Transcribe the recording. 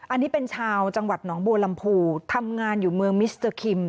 อันนี้เป็นชาวจังหวัดหนองบัวลำพูทำงานอยู่เมืองมิสเตอร์คิม